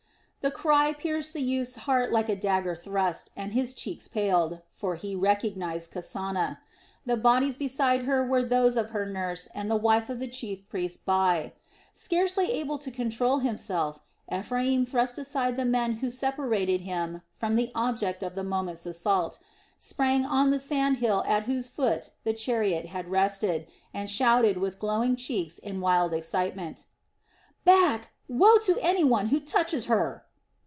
The cry pierced the youth's heart like a dagger thrust and his cheeks paled, for he recognized Kasana. The bodies beside her were those of her nurse and the wife of the chief priest Bai. Scarcely able to control himself, Ephraim thrust aside the men who separated him from the object of the moment's assault, sprang on the sand hill at whose foot the chariot had rested, and shouted with glowing cheeks in wild excitement: "Back! Woe to any one who touches her!"